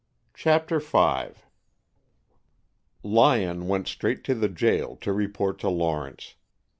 CHAPTER V Lyon went straight to the jail to report to Lawrence.